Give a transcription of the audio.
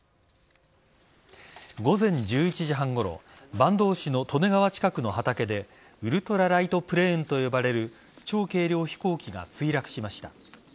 午前１１時半ごろ坂東市の利根川近くの畑でウルトラライトプレーンと呼ばれる超軽量飛行機が墜落しました。